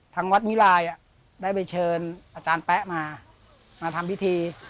ทางวัดวิลัยได้ไปเชิญอาจารย์แป๊ะมามาทำพิธี